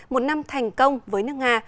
một năm thành công với nước nga